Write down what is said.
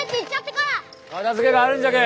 片づけがあるんじゃけえ